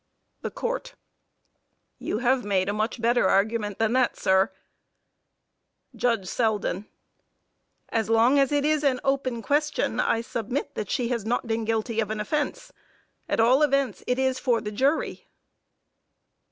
THE COURT: You have made a much better argument than that, sir. JUDGE SELDEN: As long as it is an open question I submit that she has not been guilty of an offense. At all events it is for the jury.